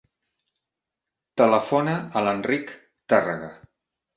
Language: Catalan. Telefona a l'Enric Tarraga.